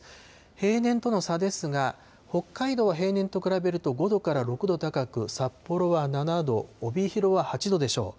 平年との差ですが、北海道は平年と比べると、５度から６度高く、札幌は７度、帯広は８度でしょう。